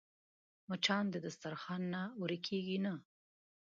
مچان د دسترخوان نه ورکېږي نه